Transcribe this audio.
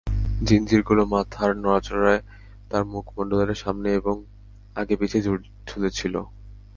জিঞ্জিরগুলো মাথার নড়াচড়ায় তাঁর মুখমণ্ডলের সামনে এবং আগে পিছে ঝুলছিল।